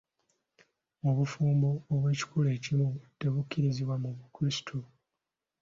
Obufubo obw'ekikula ekimu tebukkirizibwa mu bukrisitu.